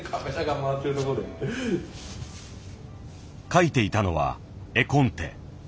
描いていたのは「絵コンテ」。